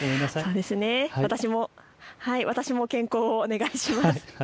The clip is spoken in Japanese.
私も健康をお願いします。